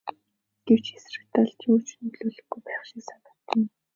Гэвч эсрэг талд юу ч нөлөөлөхгүй байх шиг санагдана.